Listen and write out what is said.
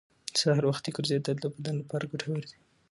سهار وختي ګرځېدل د بدن لپاره ګټور دي